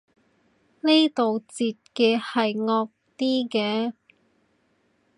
呢度截嘅係惡啲嘅